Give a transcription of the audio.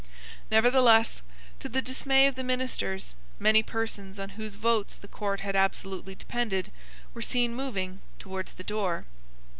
Nevertheless, to the dismay of the ministers, many persons on whose votes the court had absolutely depended were seen moving towards the door.